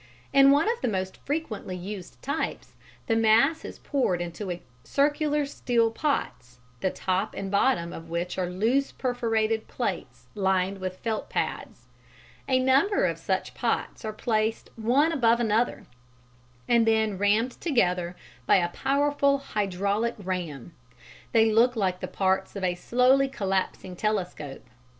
In one of the most frequently used types, the mass is poured into circular steel pots, the top and bottom of which are loose perforated plates lined with felt pads. A number of such pots are placed one above another, and then rammed together by a powerful hydraulic ram. They look like the parts of a slowly collapsing telescope.